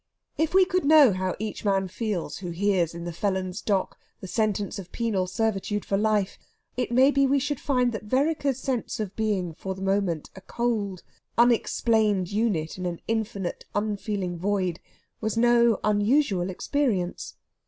If we could know how each man feels who hears in the felon's dock the sentence of penal servitude for life, it may be we should find that Vereker's sense of being for the moment a cold, unexplained unit in an infinite unfeeling void, was no unusual experience.